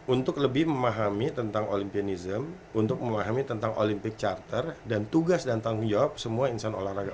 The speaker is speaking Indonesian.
untuk lebih memahami tentang olympianism untuk memahami tentang olympic charter dan tugas dan tanggung jawab semua insan olahraga